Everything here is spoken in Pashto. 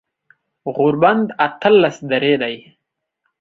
غوربند اتلس درې دی